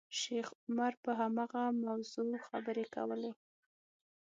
شیخ عمر پر هماغه موضوع خبرې کولې.